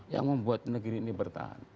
yang membuat negeri ini bertahan